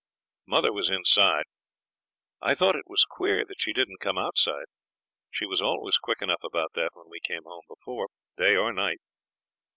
Mother was inside. I thought it was queer that she didn't come outside. She was always quick enough about that when we came home before, day or night.